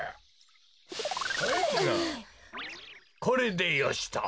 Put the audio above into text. これでよしと。